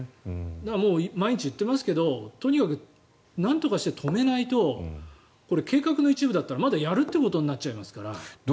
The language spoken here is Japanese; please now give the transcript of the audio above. もう毎日言ってますけどとにかくなんとかして止めないとこれ、計画の一部だったらまだやるということになっちゃいますから。